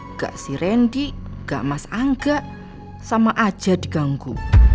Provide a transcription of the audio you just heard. nggak si randy nggak mas angga sama aja diganggu